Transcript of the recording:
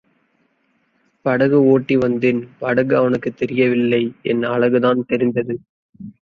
படகு ஒட்டி வந்தேன், படகு அவனுக்குத் தெரிய வில்லை என் அழகுதான் தெரிந்தது.